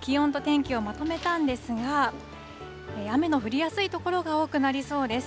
気温と天気をまとめたんですが、雨の降りやすい所が多くなりそうです。